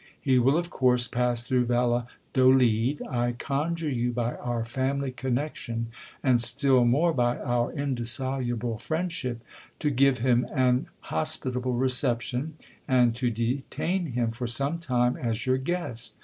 He will of course pass through Valladolid. I conjure you by our family connection, and still more by our indissoluble friend ship, to give him an hospitable reception, and to detain him for some time as your guest.